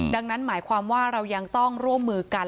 ดังนั้นหมายความว่าเรายังต้องร่วมมือกัน